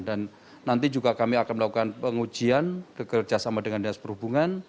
dan nanti juga kami akan melakukan pengujian kerjasama dengan dasar perhubungan